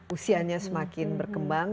usianya semakin berkembang